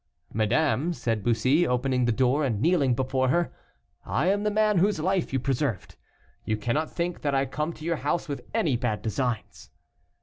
"Madame," said Bussy, opening the door, and kneeling before her, "I am the man whose life you preserved. You cannot think that I come to your house with any bad designs."